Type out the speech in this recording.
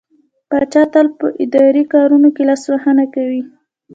پاچا تل په اداري کارونو کې لاسوهنه کوي.